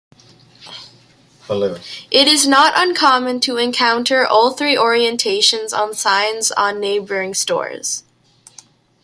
It is not uncommon to encounter all three orientations on signs on neighboring stores.